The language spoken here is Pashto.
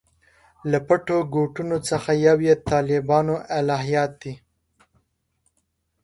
له پټو ګوټونو څخه یو یې طالبانو الهیات دي.